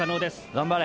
頑張れ！